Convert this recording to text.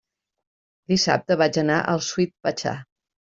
Dissabte vaig anar al Sweet Pachá.